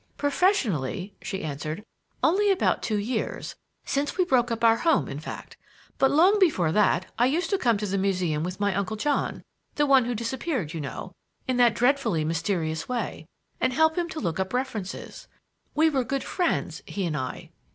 "Professionally," she answered, "only about two years; since we broke up our home, in fact. But long before that I used to come to the Museum with my Uncle John the one who disappeared, you know, in that dreadfully mysterious way and help him to look up references. We were good friends, he and I."